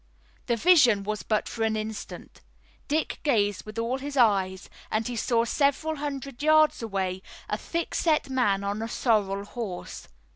The vision was but for an instant. Dick gazed with all his eyes, and he saw several hundred yards away a thickset man on a sorrel horse.